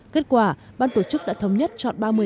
kết quả ban tổ chức đã thống nhất chọn ba mươi